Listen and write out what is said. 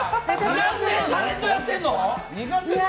何年タレントやってるの？